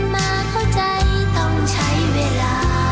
มาเข้าใจต้องใช้เวลา